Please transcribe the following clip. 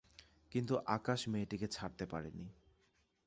কিন্তু আকাশ মেয়েটিকে ছাড়তে পারেনি।